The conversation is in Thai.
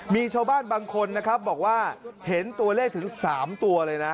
มีชาวบ้านบางคนนะครับบอกว่าเห็นตัวเลขถึง๓ตัวเลยนะ